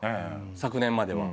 昨年までは。